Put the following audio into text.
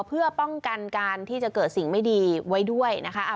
เพื่อป้องกันการที่จะเกิดสิ่งไม่ดีไว้ด้วยนะคะ